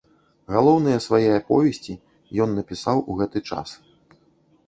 Галоўныя свае аповесці ён напісаў у гэты час.